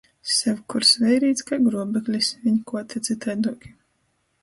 Sevkurs veirīts kai gruobeklis, viņ kuoti cytaiduoki.